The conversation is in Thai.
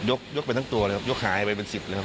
ใช่ค่ะยกไปทั้งตัวเลยครับยกหายไปเป็น๑๐